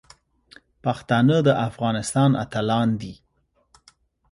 پښتانه د افغانستان اتلان دي.